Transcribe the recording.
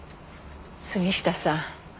杉下さん。